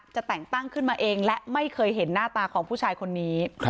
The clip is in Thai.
แต่งตั้งขึ้นมาเองและไม่เคยเห็นหน้าตาของผู้ชายคนนี้